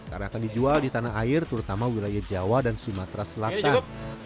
karena akan dijual di tanah air terutama wilayah jawa dan sumatera selatan